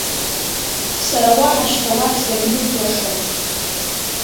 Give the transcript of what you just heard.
Сара уаҳа шьҭа уахь сагьнықәлашам.